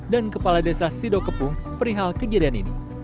dan kepala desa sido kepung perihal kejadian ini